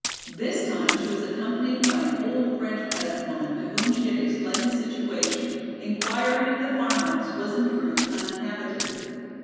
This time she was accompanied by an old French peasant woman to whom she had explained the situation, inquiring if the farmhouse was in truth uninhabited.